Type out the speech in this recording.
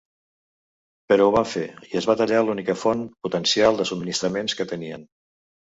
Però ho van fer, i es va tallar l'única font potencial de subministraments que tenien.